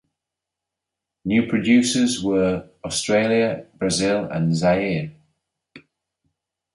New producers were Australia, Brazil and Zaire.